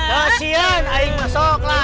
kasihan aing masuk lah